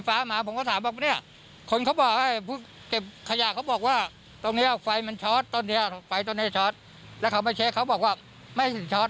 ผมถามว่าเนี่ยเขาติดขยะเขาบอกว่า